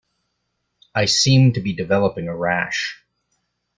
I seem to be developing a rash.